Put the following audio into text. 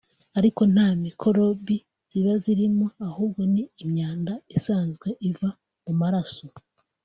ariko nta mikorobi ziba zirimo ahubwo ni imyanda isanzwe iva mu maraso